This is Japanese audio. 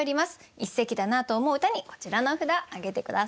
一席だなと思う歌にこちらの札挙げて下さい。